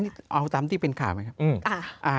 นี่เอาตามที่เป็นข่าวไหมครับ